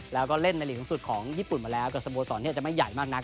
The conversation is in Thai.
แล้วก็เล่นในหลีกสูงสุดของญี่ปุ่นมาแล้วกับสโมสรที่อาจจะไม่ใหญ่มากนัก